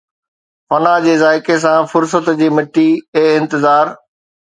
فنا جي ذائقي سان فرصت جي مٽي، اي انتظار